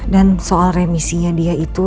dan soal remisinya dia itu